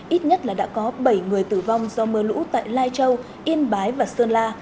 ít nhất là đã có bảy người tử vong do mưa lũ tại lai châu yên bái và sơn la